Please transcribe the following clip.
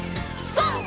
ＧＯ！